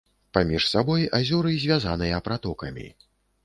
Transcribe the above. Паміж сабой азёры звязаныя пратокамі.